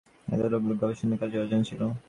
এ নোটগুলো এত দিন গবেষকেদের কাছে অজানা ছিল।